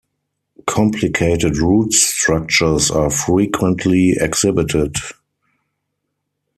Complicated root structures are frequently exhibited.